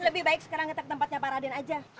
lebih baik kita ke tempat pak aden aja